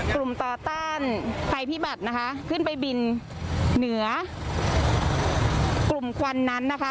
ไข่พิบัตรนะคะขึ้นไปบินเหนือกลุ่มควันนั้นนะคะ